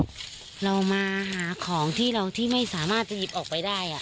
เรามาหาของที่เราที่ไม่สามารถจะหยิบออกไปได้